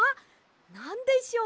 なんでしょう？